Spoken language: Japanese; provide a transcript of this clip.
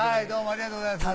ありがとうございます。